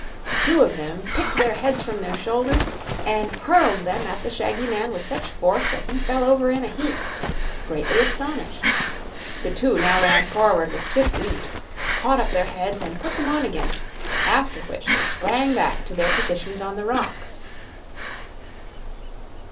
Two of them picked their heads from their shoulders and hurled them at the shaggy man with such force that he fell over in a heap, greatly astonished. The two now ran forward with swift leaps, caught up their heads, and put them on again, after which they sprang back to their positions on the rocks.